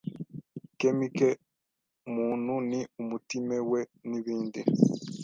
kemi ke muntu ni umutime we n’ibindi.